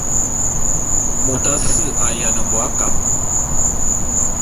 Mot asse a’ayiana bo akab.